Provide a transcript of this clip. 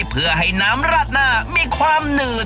เพื่อให้น้ำราดหน้ามีความหนืด